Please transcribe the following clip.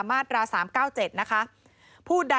มาตรา๓๙๗